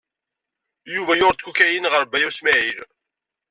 Yuba yuɣ-d kukayin ɣer Baya U Smaɛil.